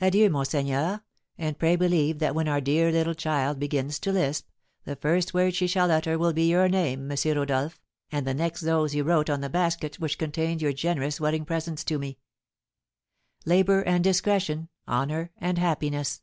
"Adieu, monseigneur! And pray believe that when our dear little child begins to lisp, the first word she shall utter will be your name, M. Rodolph, and the next those you wrote on the basket which contained your generous wedding presents to me, 'Labour and discretion, honour and happiness.'